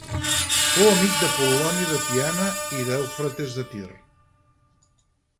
Fou amic d'Apol·loni de Tiana i d'Eufrates de Tir.